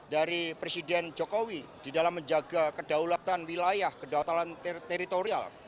dari presiden jokowi di dalam menjaga kedaulatan wilayah kedaulatan teritorial